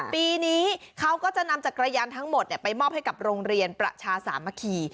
ปีนี้เขาก็จะนำจักรยานทั้งหมดไปมอบให้กับโรงเรียนประชาสามัคคี